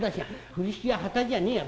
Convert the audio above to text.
風呂敷は旗じゃねえや。